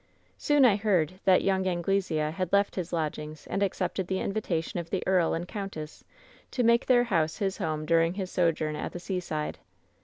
"Soon I heard that young Anglesea had left his lodg ings and accepted the invitation of the earl and countess to make their house his home during his sojourn at the seaside.